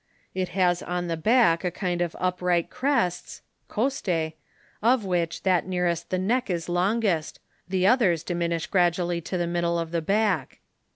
It has on the back a kind of upright crests (coste), of which that near est the neck is longest, the others diminish gradually to the middle of the back.